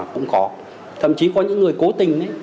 cũng có thậm chí có những người cố tình